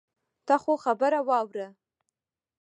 ته خو خبره واوره.